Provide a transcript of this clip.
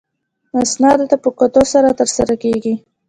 اسنادو ته په کتو سره ترسره کیږي.